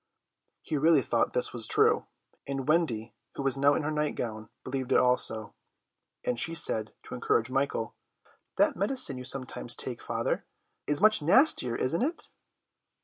'" He really thought this was true, and Wendy, who was now in her night gown, believed it also, and she said, to encourage Michael, "That medicine you sometimes take, father, is much nastier, isn't it?"